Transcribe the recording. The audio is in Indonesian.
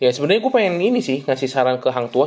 ya sebenernya gua pengen ini sih ngasih saran ke hang tuah